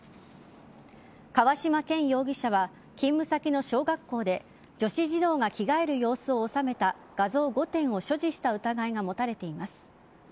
河嶌健容疑者は勤務先の小学校で女子児童が着替える様子を収めた画像５点を所持した疑いが持たれています。